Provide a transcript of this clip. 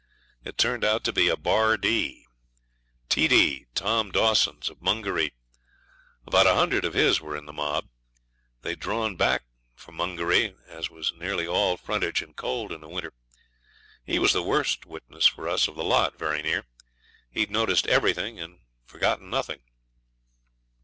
It turned out to be D. [*] TD Tom Dawson's, of Mungeree. About a hundred of his were in the mob. They had drawn back for Mungeree, as was nearly all frontage and cold in the winter. He was the worst witness for us of the lot, very near. He'd noticed everything and forgot nothing.